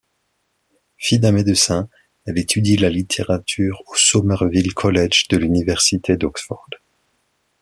Fille d’un médecin, elle étudie la littérature au Somerville College de l’Université d’Oxford.